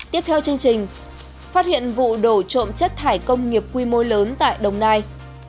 tiếp theo chương trình phát hiện vụ đổ trộm chất thải công nghiệp quy mô lớn tại đồng nai